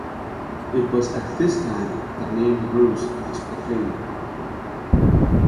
It was at this time the name Ruse was proclaimed.